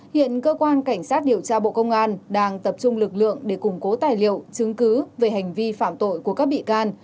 hiện cơ quan cảnh sát điều tra bộ công an đang tập trung lực lượng để củng cố tài liệu chứng cứ về hành vi phạm tội của các bị can